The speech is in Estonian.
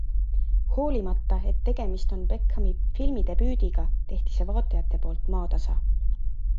Hoolimata, et tegemist on Bechami filmidebüüdiga, tehti see vaatajate poolt maatasa.